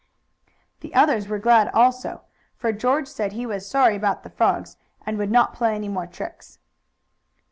The others were glad also, for George said he was sorry about the frogs, and would not play any more tricks.